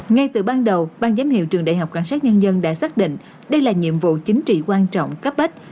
ngay từ ban đầu ban giám hiệu trường đại học cảnh sát nhân dân đã xác định đây là nhiệm vụ chính trị quan trọng cấp bách